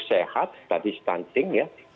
sehat tadi stunting ya